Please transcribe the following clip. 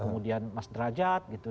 kemudian mas derajat gitu